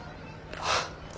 ああ。